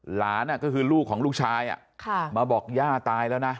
หลานก็คือลูกของลูกชายมาบอกย่าตายแล้วนะ